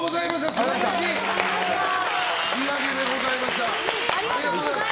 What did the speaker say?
素晴らしい仕上げでございました。